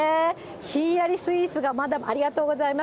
ひんやりスイーツが、ありがとうございます。